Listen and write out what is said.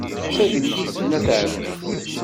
Tagliḍt n at ɛebbas